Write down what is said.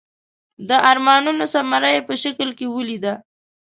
د ارمانونو ثمره یې په شکل کې ولیده.